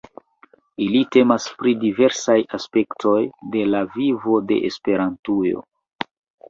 Ili temas pri diversaj aspektoj de la vivo de Esperantujo.